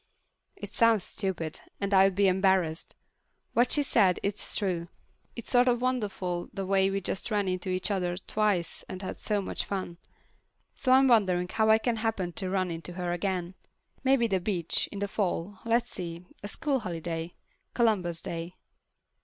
It sounds stupid, and I'd be embarrassed. What she said, it's true—it's sort of wonderful the way we just ran into each other twice and had so much fun. So I'm wondering how I can happen to run into her again. Maybe the beach, in the fall. Let's see, a school holiday—Columbus Day.